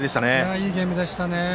いいゲームでしたね。